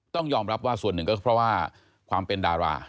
ต้องยอมรับว่าส่วนหนึ่งก็เพราะว่าความเป็นดารา